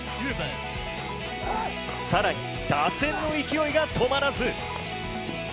更に、打線の勢いが止まらず。